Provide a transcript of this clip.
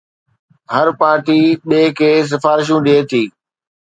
هر party ٻئي کي سفارشون ڏئي ٿي